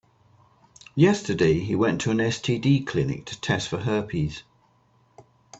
Yesterday, he went to an STD clinic to test for herpes.